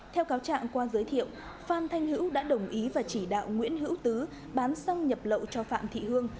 theo cáo trạng qua giới thiệu phan thanh hữu đã đồng ý và chỉ đạo nguyễn hữu tứ bán xăng nhập lậu cho phạm thị hương